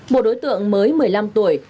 một đối tượng mới một mươi năm tuổi